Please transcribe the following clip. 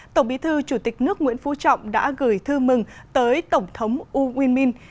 tổng bí thư chủ tịch nước nguyễn phú trọng đã gửi thư mừng tới tổng thống u nguyên minh